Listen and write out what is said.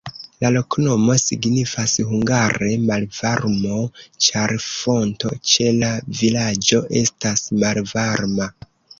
La loknomo signifas hungare malvarmo, ĉar fonto ĉe la vilaĝo estas malvarma.